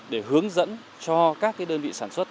để hướng dẫn cho các đơn vị sản xuất